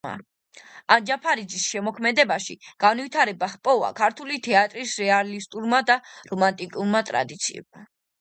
ანჯაფარიძის შემოქმედებაში განვითარება ჰპოვა ქართული თეატრის რეალისტურმა და რომანტიკულმა ტრადიციებმა.